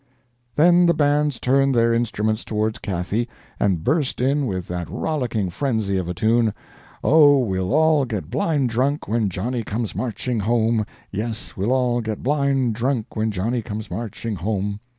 Then the bands turned their instruments towards Cathy and burst in with that rollicking frenzy of a tune, "Oh, we'll all get blind drunk when Johnny comes marching home—yes, we'll all get blind drunk when Johnny comes marching home!"